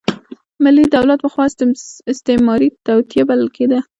ملي دولت پخوا استعماري توطیه بلل کېده.